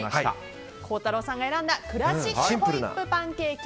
孝太郎さんが選んだクラシックホイップパンケーキ。